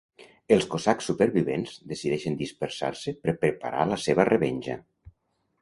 Els Cosacs supervivents decideixen dispersar-se per preparar la seva revenja.